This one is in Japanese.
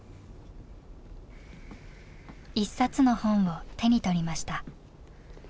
一冊の本を手に取りました。